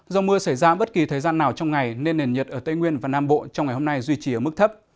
do mưa xảy ra bất kỳ thời gian nào trong ngày nên nền nhiệt ở tây nguyên và nam bộ trong ngày hôm nay duy trì ở mức thấp